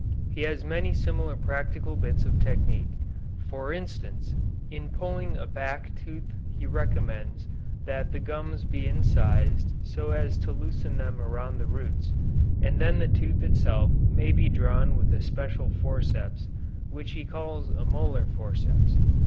He has many similar practical bits of technique. For instance, in pulling a back tooth he recommends that the gums be incised so as to loosen them around the roots, and then the tooth itself may be drawn with a special forceps which he calls a molar forceps.